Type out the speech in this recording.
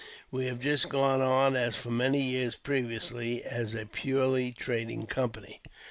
We have just gone on as for many years previously, as a purely trading company.